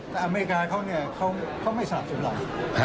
แต่อเมริกาเขาเนี่ยไม่สนับสุดหลัง